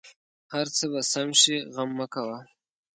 هر څه به سم شې غم مه کوه